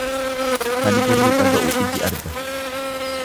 Kan gurri dhaga'u iji arga.